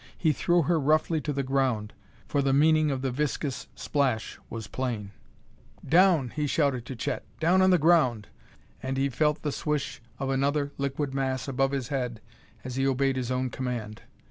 He threw her roughly to the ground, for the meaning of the viscous splash was plain. "Down!" he shouted to Chet. "Down on the ground!" And he felt the swish of another liquid mass above his head as he obeyed his own command.